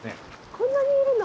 こんなにいるの？